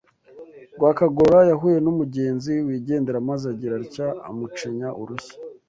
Rwakagorora yahuye n’umugenzi wigendera maze agira atya amucinya urushyi